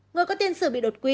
người có tiên xử bị đột quỵ